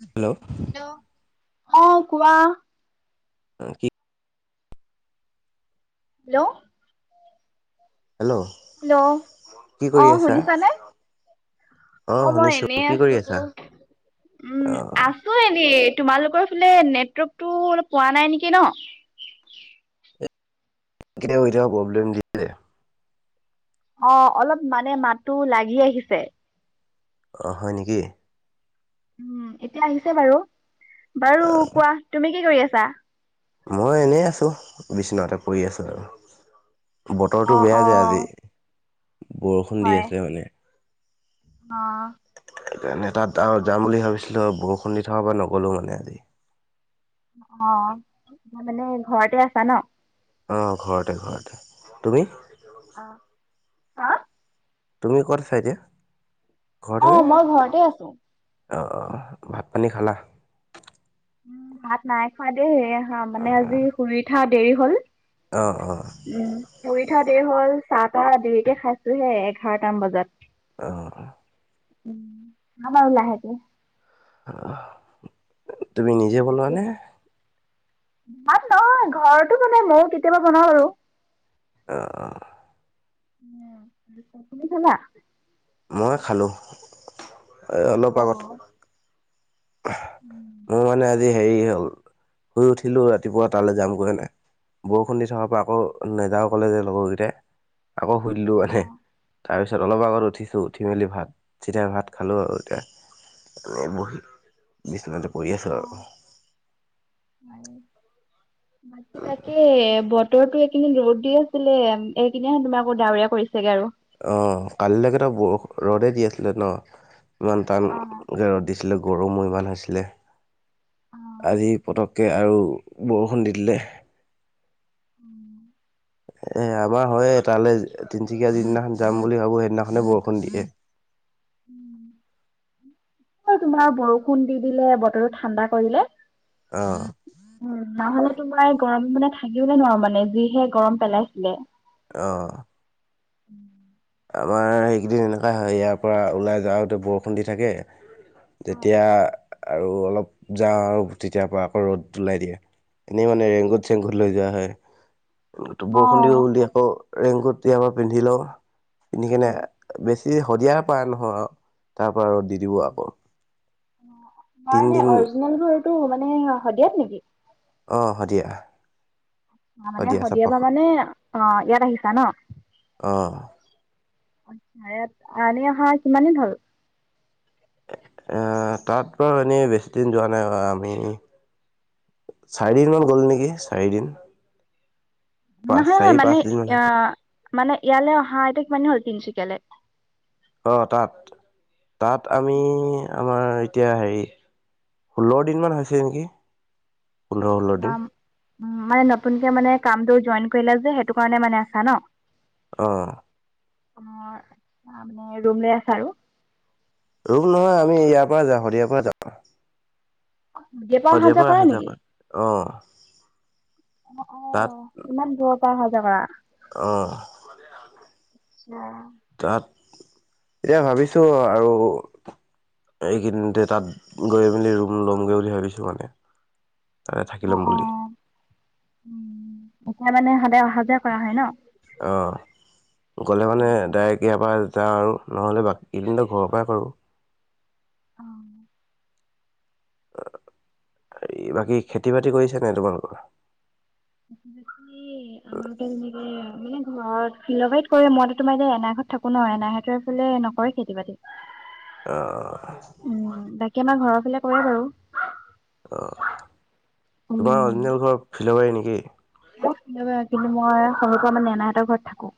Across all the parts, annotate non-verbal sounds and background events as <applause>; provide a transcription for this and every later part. Hello hello, অ' কোৱা। অ' কি। হেল্ল' হেল্ল' হেল্ল' কি কৰি অ' আছা? শুনিছা নে? অ' মই শুনিছো এনেই কি কৰি আছো, আছা? অ উম, আছো এনেই। তোমালোকৰ ফালে নেটৱৰ্কতটো অলপ পোৱা নাই নেকি ন। কেতিয়াবা কেতিয়াবা প্ৰব্লেম দিয়ে। অ' অলপ মানে মাতো লাগি আহিছে। অ' হয় নেকি। উম, এতিয়া আহিছে বাৰু বাৰু অ কোৱা তুমি কি কৰি আছা? মই এনেই আছো বিচনাতে পৰি আছো আৰু। অ বতৰটো বেয়া অ যে আজি বৰষুণ দি হয় আছিলে মানে। অ' সেইকাৰণে তাত আৰু যাম বুলি ভাবিছিলো, বৰষুণ দি থকা পৰা নগলো মানে আজি। অহ' মানে ঘৰতে আছা ন। অ' ঘৰতে ঘৰতে তুমি? আহ, হা। তুমি ক'ত আছা এতিয়া। ঘৰতে নে? অ' মই ঘৰতে আছো। অ, ভাত, পানী খালা? উ, ভাত নাই, খোৱা দেই মানে আজি শুৰি উঠা দেৰি হ'ল। অ অ উমৰি পিঠাতে হ'ল চাহ, তাহ দেৰিক খাইছোহে, এঘাৰটামান বজাত। আহ। উম, হ, মউল আহে তে। আহ তুমি নিজে বনোৱা তাকে নে। ভাত নহ ঘৰতো বনাই মইও কেতিয়াবা বনাওঁ আৰু। আহ। উ, তমি খাবা। মই খালোঁ অ', অলপ আগত। মোৰ মানে আজি হেৰি হ'ল, শুই উঠিলো ৰাতিপুৱা তালৈ যামগৈ হেনে। বৰষুণ দি থকাৰ পৰা আকৌ নদা কলে যে লগৰকেইটাই আকৌ শুধিলো মানে। তাৰপিছত অলপ আগত উঠিছোঁ, উঠি মেলি ভাত চিধাই ভাত খালোঁ আৰু এতিয়া। বহি বিচনাটো কৰি আছো অ', আৰু। বাকী তে বৰ বতৰো এইখিনি ৰ'দ দি আছিলে, এইদিনা তুমি আকৌ ডাৱউৰীয়া কৰিছেগে আৰু। অ, কালিলৈকে তো, ব ৰ'দে দি আছিলে ন, ইমান টান অ'। গে ৰ'দ দিছিল। ছিল গৰমো ইমান হৈছিলে অ', আজি পতক তাকে আৰু বৰষুণ দি দিলে। উম। এ, আমাৰ হয়, তালৈ তিনচুকীয়া যিদিনাখন যাম বুলি ভাবো সেইদিনাখনে বৰষুণ দিয়ে। <inaudible> তোমাৰ বৰষুণ দি দিলে, বতৰটো ঠাণ্ডা কৰিলে। উম, নহায়। তোমাৰ গৰম মানে থাকিবলৈ নোৱাৰো মানে যিহে গৰম পেলাইছিলে। অ'। উম। আমাৰ সেইকেইদিন এনেকুৱা হয়, ইয়াৰ পৰা ওলাই যাওঁতে বৰষুণ দি থাকে। অ', যেতিয়া আৰু অলপ যাওঁ, আৰু তেতিয়াৰ পৰা আকৌ ৰ'দ ওলাই দিয়ে। এনেই মানে ৰেংগুট, চেংগুত লৈ যোৱা হয়। বৰষুণ দি অ', উল আকৌ ৰেংকুট ইয়াৰাৰ পিন্ধি লওঁ পিন্ধি কিনে, বেছি শদিয়াৰ পৰা নহয়, তাৰ পৰা ৰ' দি দি'ব আকৌ। তোমৰ এনে, তিনিদিন অৰিজিনেল ঘৰটো মানে শদিয়াত নেকি? অ, সদিয়া। অ, মানে শদিয় পৰা মানে, অ, ইয়াত আহিছা ন। অঁ আচ্ছা, ইয়াত আনি অহা কিমান দিন হ'ল? এ, তাত। চাৰিদিনমান গ'ল নেকি, চাৰিদিন। পাঁচ নহয়, হয়, চাৰি মানে পাঁচদিনমান অ, হৈছে মানে ইয়ালৈ অহা আইতাক কিমানি হ'ল তিনিচুকিয়া। কেলে অ, তাত, তাত আমি আমাৰ এতিয়া হেৰি, ষোল্ল দিনমান হৈছে নেকি। পোন্ধৰ ষোল্ল অ, দিন উম, মানে নতুনকে মানে কামটো জইন কৰিলা যে, সেইটো কাৰণে মানে আছা ন। অ'। অমাৰ, আমাৰ ৰুম লৈ আছা আৰু। ৰূম নহয়, আমি ইয়াৰ পৰা যাওঁ, শদিয়াৰ পৰা যাম। সদিয়াৰ পৰা অহা, যোৱা কৰিম। অ', অ', ইমান দূৰৰ পৰা অহা, যোৱা কৰা। অহ। <unintelligible> এতিয়া ভাবিছোঁ আৰু এইকিদিনতে তাত গৈ মেলি ৰুম ল'মগৈ বুলি ভাবিছোঁ মানে। তাতে থাকি ল'ম অহ', বুলি অহ', উম'। এতিয়া মানে সদায় অহা যোৱা কৰা হয় ন'। অ গ'লে মানে ডাইৰেক্ট ইয়াৰ পৰা যাওঁ, আৰু নহ'লে বাকী কেইদিনত ঘৰৰ পৰাই কৰোঁ। অহ। অহ, বাকী খেতি-বাতি কৰিছেনে নাই তোমালোকৰ? খেতি-বাতি আমাৰতো এনেকে মানে অহ, ফিলবাৰত কৰে, মইতো তোমাৰ এতিয়া এনাহঁতত থাকো ন'। এনাহঁতৰ এইফালে নকৰে খেতি-বাতি। অ উম, বাকী আমাৰ ঘৰৰ ফালে কৰে বাৰু। অহ, তোমাৰ উম, অৰজিনেল ঘৰ ফিলবাৰী নেকি,? ফিলবাৰি, কিন্তু মই সৰু পৰা মানে এনাহঁতৰ ঘৰত থাকো।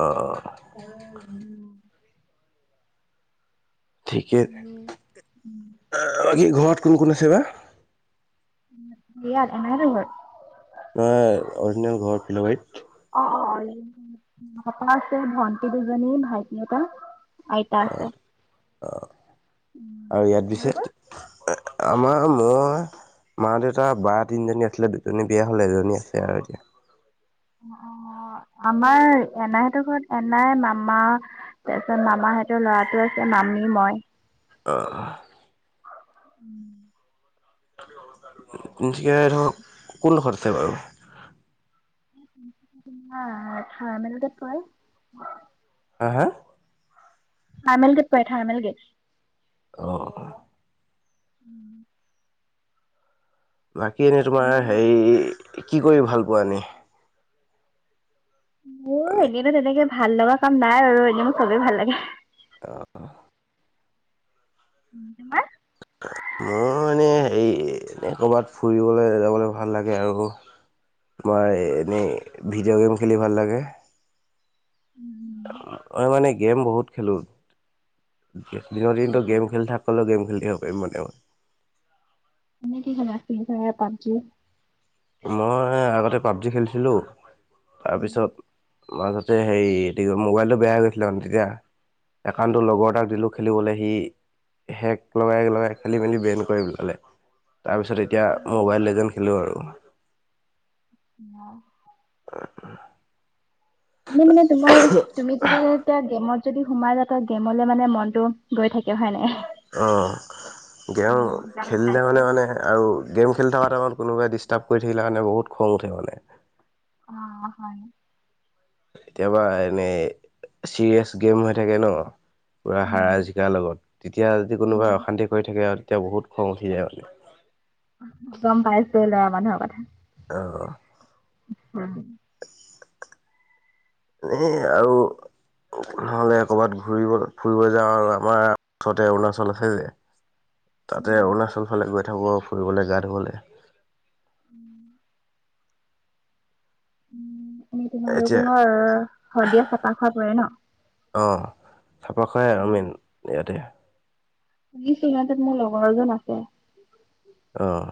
অহ। ঠিকে উম, উম। এ ঘৰত কোন কোন আছে বা? এনাইহঁতৰ ঘৰত? নহয়, অৰিজিনেল ঘৰ ফিলবাৰীত। অহ, পাপা আছে, ভন্টি দুজনী, ভাইটি এটা। আইতা আছে। উম, আৰু ইয়াত দিছে তোমালোকৰ? আমাৰ মই মা-দেউতা বা তিনিজনী আছিলে দুজনী বিয়া হ'ল এজনী আছে আৰু এতিয়া। অহ, আমাৰ এনাহঁতৰ ঘৰত এনাই মামা তাৰপিছত মামা সেহঁতৰ ল'ৰাটো আছে মামী মই। অহ। উম। <unintelligible> ধৰক কোন খৰছে বাৰু। <unintelligible> তোমাৰ থাৰ্মেলগেট কয়। হা, হা? থাৰ্মেলগেট পায়, থাৰ্মেলগেট। অহ। উম। বাকী এনেই তোমাৰ মানে হেৰি, কি কৰি ভাল পোৱা এনেই? অহ, এনেইতো তেনেকে ভাল লগা কাম নাই আৰু এনেইও চবেই ভাল লাগে। অহ। উম, তোমাৰ? মোৰ এনেই হেৰি ক'ৰবাত, ফুৰিবলৈ যাবলৈ ভাল লাগে আৰু। মই এনেই ভিডিঅ' গেম খেলি ভাল লাগে। মই মানে গেম বহুত খেলোঁ। দিনৰ দিনটো গেম খেলি থাকিলেও, গেম খেলিব পাৰিম মানে মই। মনে কি খেলা ফ্ৰি ফ্লায়াৰ, পাবজি। মই আগতে পাবজি খেলিছিলোঁ, তাৰপিছত মাজতে হেৰি মোবাইলটো বেয়া হৈ গৈছিলে মানে তেতিয়া একাউটো লগৰ এটাক দিলোঁ খেলিবলৈ সি হেক লগাই লগাই খালি মেলি বেন কৰি পেলালে। তাৰপিছত এতিয়া মোবাইল এজেন খেলোঁ আৰু। <unintelligible> <unintelligible> মোৰ মানে তোমাৰ তুমি যদি এতিয়া গেমত যদি সোমাই যা ত গেমলে মানে মনতটো গৈ থাকে হয় নে নাই? অহ। গেম উম, গম খেলিলে পাইছোঁ। মানে-মানে আৰু গেম খেলি থকাত কোনবাই দিষ্টা ষ্টাপ কৰি থাকিলে মানে বহুত খং উঠে মানে। অ অ হয়। কেতিয়াবা এনেই চিৰিয়াচ গেম হৈ থাকে ন, পুৰা উম। হাৰা জিকাৰ লগত, তেতিয়া যদি উম। কোনোবাই অশান্তি কৰি থাকে তেতিয়া বহুত খং উঠি যায় মানে। গম পাইছো ল'ৰা মানুহৰ কথা। অ। <inaudible> এনেই আৰু নহ'লে ক'ৰবাত ঘূৰিব, ফুৰিব যাওঁ আৰু আমাৰ ওচৰতে অৰুণাচল আছে যে তাতে অৰুণাচল ফালে গৈ থাকোঁ ফুৰিবলৈ, গা ধুবলৈ, <inaudible> এ এতিয়া তোমালোকৰ শদিয়া চাফা খোৱা পৰে ন? অঁ চাফা খায়াই আৰু মেইন ইয়াতে। <unintelligible> মোৰ লগৰ এজন আছে। অহ।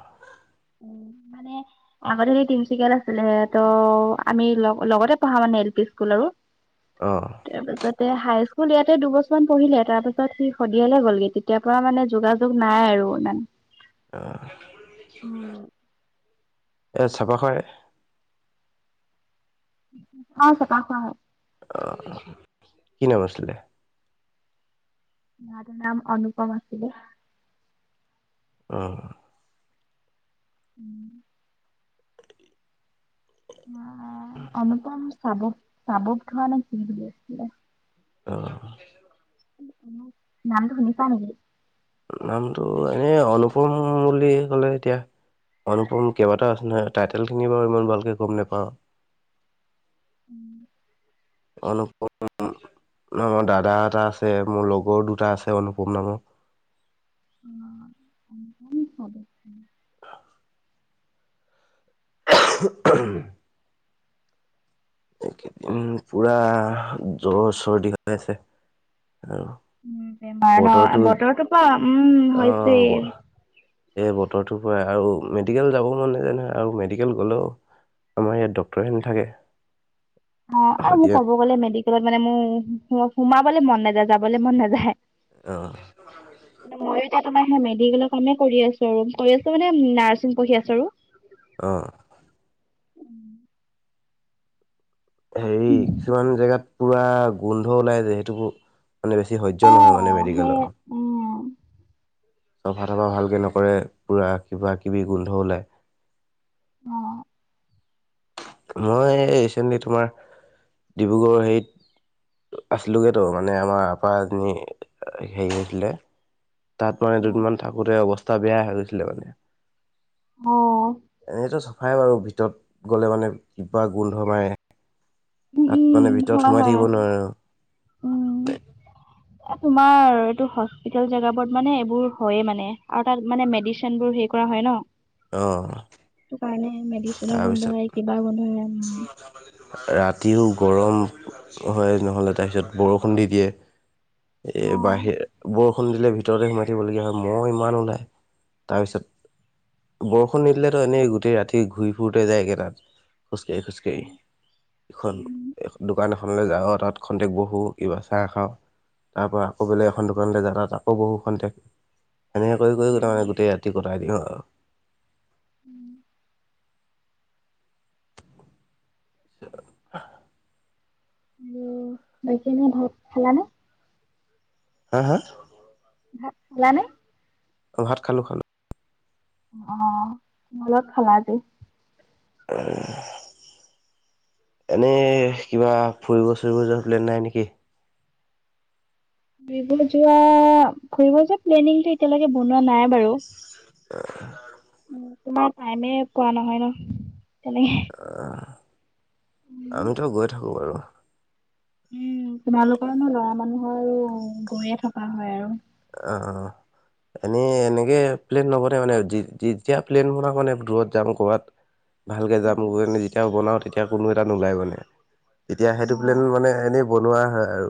উ মানে আগতে হেৰি তিনচুকীয়াত আছিলে ত আমি লগ-লগতে পঢ়া মানে এল পি স্কুল আৰু। অঁ তাৰপাছত এ হাই স্কুল ইয়াতে দুবছৰমান পঢ়িলে। তাৰ পাছত সি সদিয়ালে গ'লগে তেতিয় পৰা মানে যোগাযোগ নাই আৰু। আৰু ইমান। অহ। এ চাবা খ অ চাফা খোৱা হয়। অহ কি নাম আছিলে? ল'ৰাটোৰ নাম অনুপম আছিলে। অহ। <inaudible> অনুপম চাব-চাবত ধোৱা নে কি বুলি আছিলে। অহ। নামটো চিনি পোৱা নেকি? নামটো এনেই অনুপম বুলি কলে এতিয়া অনুপম কেইবাটাও আছে নহয়, টাইটেল খিনি বাৰু ইমান ভালকে গম নোপাওঁ। <inaudible> অনুপ-ম- মোৰ দাদা এটা আছে, মোৰ লগৰ দুটা আছে অনুপম নামৰ। <unintelligible> <unintelligible> এইকেইদিন পুৰা জ্বৰ, চৰ্দী, কাহ হৈ আছে আৰু। উ বেমাৰ ন বতৰটো পৰা উম অঁ হৈছেই। এই বতৰটোৰ পৰাই আৰু মেডিকেল যাব মন নেযায় নহয় আৰু মেডিকেল গ'লেও আমাৰ ইয়াত ডক্তটৰে নেথাকে। অ আৰু মোক ক'ব গ'লে মেডিকেলত মানে মোৰ সোমাবলে মন নাযায়, যাবলৈ মন নাযায়। আহ। মইো তোমাৰ সেই মেডিকেলৰ কামে কৰি আছো আৰু, কৰি আছো মানে, নাৰ্ছিং পঢ়ি আছো আৰু। আহ। <inaudible> হেৰি কিছুমান জেগাত পুৰা গোন্ধ ওলাই যায়। সেইটোৰ মানে বেছি অ সহ্য নহয় মানে সেই মেডিকেলৰ। উম চফা তফা ভালকে নকৰে পুৰা কিবা কিবি গোন্ধ ওলায়। অ', মই ৰিচেণ্টলি তোমাৰ ডিব্ৰুগড় হেৰিত আছিলোগৈ ত' মানে আমাৰ আপা এজনী হেৰি হৈছিলে তাত মানে অ দুদিনমান থাকোঁতে অৱস্থা বেয়া হৈ গৈছিলে মানে। অ', খাই বাৰু ভিতৰত গ'লে মানে কিবা গোন্ধ মাৰে উম তাত মানে উম ভিতৰত হয় সোমাই হয় থাকিব উম নোৱাৰো তোমাৰ এইটো হস্পিতেল জেগাত বোৰত মানে এইবোৰ হয়ে মানে আৰু তাত মানে মেডিচিন বোৰ হেৰি কৰা হয় ন অ', সেইটো কাৰণে মেডিচিনৰ তাৰপিছত গন্ধয়ে কিবা গন্ধয়ে ৰাতিও গৰম হয় নহ'লে তাৰপিছত বৰষুণ দি দিয়ে। এ বাহিৰে বৰ ফোন দিলে ভিতৰতে সোমাই থাকিবলগীয়া হয়, মহ ইমান ওলাই তাৰপিছত বৰষুণ নিদিলেতো এনেই গোটেই ৰাতি ঘূৰি ফুৰোতে যায়গেটাত। খোজকাঢ়ি খোজকাঢ়ি, এইখন উম। দোকান এখনলৈ যাওঁ আৰু তাত। খন্তেক বহো কিবা চাহ খাওঁ। তাৰ পৰা আকৌ বেলেগ এখন দোকানলৈ যা তাত আকৌ বহু সেইখনতে। এনেকৈ কৰি কৰি গোটেই মানে গোটেই ৰাতি কটাই দিওঁ আৰু। <inaudible> <unintelligible> ভাত খালা নে? হাঁ হাঁ? ভাত খালা নে? অ', ভাত খালোঁ খালোঁ। অ', কিহৰ লগত খালা আজি? উ, এনেই কিবা ফুৰিব ছুৰিব যোৱা পল্নে নাই নেকি? ফুৰিব যোৱা ফুৰিব যোৱা প্লেনিংটো এতিয়ালৈকে বনোৱা নাই বাৰু। তোমাৰ টাইমে পোৱা নহয় ন'। তেনেকে। আমিটো গৈ থাকোঁ বাৰু। উম, তোমালোকৰনো লৰা মানুহৰ গৈয়ে থকা হয় আৰু। অ', অ', এনেই এনেকে প্লেন নবনে মানে যেতিয়া প্লেন বনা মানে দূৰত যাম ক'বাত। ভালকৈ যামগৈ যেতিয়া বনাওঁ তেতিয়া কোনো এটা নোলাই মানে, তেতিয়া সেইটো প্লেন অ', মানে এনেই বনোৱা হয় আৰু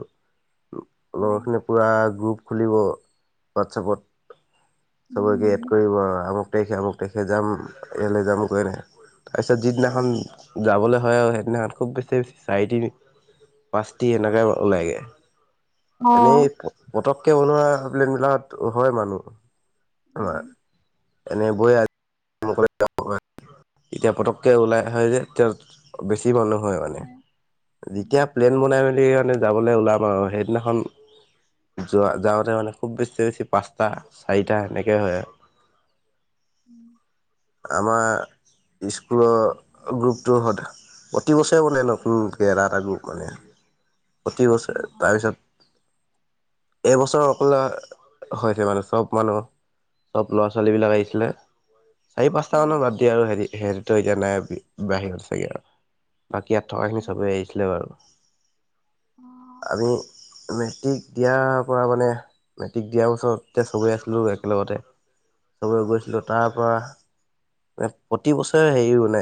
হয়। লগৰখিনি পূৰা গ্ৰুপ খুলিব হোৱাটছপত চবকে এড উম। কৰিব আৰু আম আমুক তাৰিখে আমুক তাৰিখে যাম, এনেই এনেই যাম কৈয়ে থাকে, তাৰপিছত হয়। যিদিনাখন যাবলৈ হয় অ, সেইদিনাখন খুব বেছি চাৰি তিনি পাঁচটি এনেকৈ ওলাইগৈ। এনেই অ'। পতককে বনোৱা প্লেন বিলাকত হয় মানুহ। অ', উম। এনেই বৈ আ এতিয়া পটককে ওলাই হয় যে তেওঁ বেছি মানুহ হয় মানে, যেতিয়া উম, প্লেন বনাই মেলি এনেই যাবলৈ ওলাম আৰু সেইদিনাখন যোৱা যাওঁতে মানে খুব বেছি বেছি পাঁচটা চাৰিটা সেনেকেই হয় আৰু উম, আমাৰ স্কুলৰ গ্ৰুপটো হত প্ৰতি বছেৰে বনে নতুনকে এটা এটা গ্ৰপ মানে প্ৰতি বছৰে অ', অ', তাৰপিছত এইবছৰ অকলে হৈছে মানে চব মানুহ চব ল'ৰা-ছোৱালীবিলাক আহিছিলে। চাৰি-পাঁচটা মানৰ অ'। বাদ দিয়া আৰু হেৰি হেৰিতো এতিয়া নাই বাহিল চাগে আৰু। বাকী ইয়াত থকাখিনি চবেই আহিছিলে বাৰু। আমি মেট্ৰিক দিয়াৰ পৰা মানে মেট্ৰিক দিয়া বছৰতে চবে আছিলো একেলগতে। চবৰে গৈছিলো। তাৰ পৰা প্ৰতিবছৰে হেৰি মানে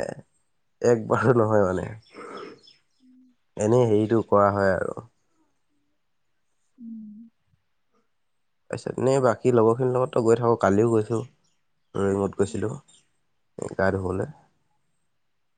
একবাৰো নহয় মানে। এনেই হেৰিটো কৰা হয় আৰু। উম। তাৰপিছত এনে বাকী লগৰখিনিৰ লগততো গৈ থাকো। কালিও গৈছোঁ। ৰয়িঙত গৈছিলোঁ গা ধুবলে।